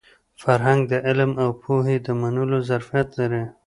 فرهنګ د علم او پوهې د منلو ظرفیت لري.